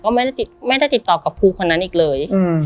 ก็ไม่ได้ติดต่อกับครูคนนั้นอีกเลย